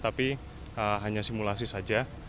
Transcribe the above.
tapi hanya simulasi saja